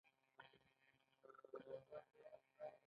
یوه ټولنه فرض کړئ چې زر کیلو وریجې لري.